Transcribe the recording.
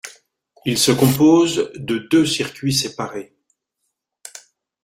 Il se compose de deux circuits séparés.